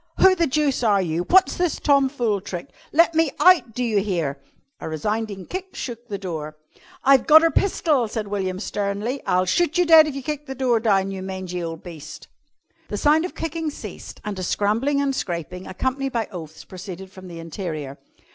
"Who the deuce are you? What's this tomfool trick? Let me out! Do you hear?" A resounding kick shook the door. "I've gotter pistol," said William sternly. "I'll shoot you dead if you kick the door down, you mangy ole beast!" The sound of kicking ceased and a scrambling and scraping, accompanied by oaths, proceeded from the interior.